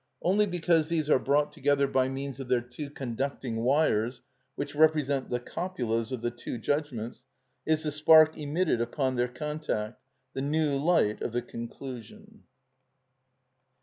Only because these are brought together by means of their two conducting wires, which represent the copulas of the two judgments, is the spark emitted upon their contact—the new light of the conclusion.